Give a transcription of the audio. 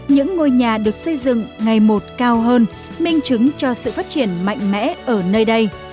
những ngôi nhà được xây dựng ngày một cao hơn minh chứng cho sự phát triển mạnh mẽ ở nơi đây